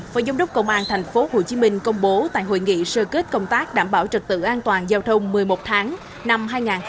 và giám đốc công an tp hcm công bố tại hội nghị sơ kết công tác đảm bảo trật tự an toàn giao thông một mươi một tháng năm hai nghìn hai mươi ba